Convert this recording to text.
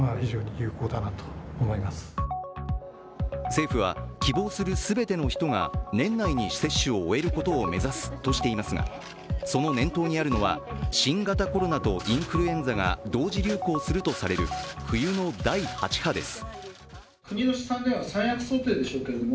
政府は希望する全ての人が年内に接種を終えることを目指すとしていますが、その念頭にあるのは、新型コロナとインフルエンザが、同時流行するとされる冬の第８波です。